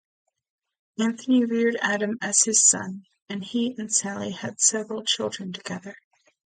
Anthony reared Adam as his son, and he and Sally had several children together.